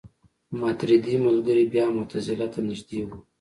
ماتریدي ملګري بیا معتزله ته نژدې وو.